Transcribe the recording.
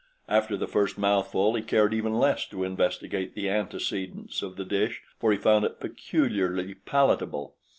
After the first mouthful he cared even less to investigate the antecedents of the dish, for he found it peculiarly palatable.